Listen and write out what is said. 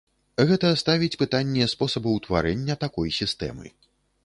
Гэта ставіць пытанне спосабу ўтварэння такой сістэмы.